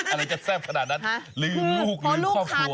อะไรจะแซ่บขนาดนั้นลืมลูกลืมครอบครัว